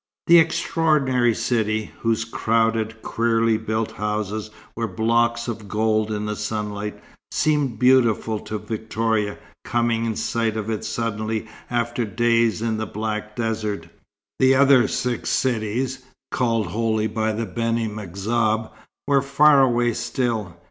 The extraordinary city, whose crowded, queerly built houses were blocks of gold in the sunlight, seemed beautiful to Victoria, coming in sight of it suddenly after days in the black desert. The other six cities, called holy by the Beni M'Zab, were far away still.